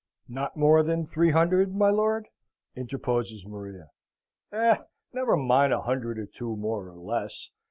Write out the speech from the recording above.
"Not more than three hundred, my lord?" interposes Maria. "Eh! never mind a hundred or two, more or less.